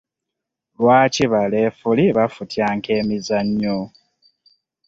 Lwaki ba lefuli bafutyanka emizannyo ?